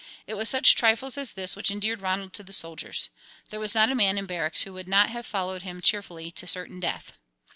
It was such trifles as this which endeared Ronald to the soldiers. There was not a man in barracks who would not have followed him cheerfully to certain death.